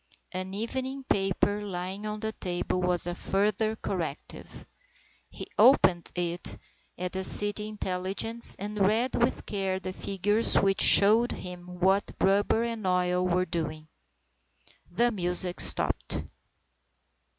An evening paper lying on the table was a further corrective. He opened it at the city intelligence and read with care the figures which showed him what rubber and oil were doing. The music stopped.